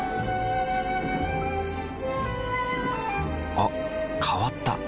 あ変わった。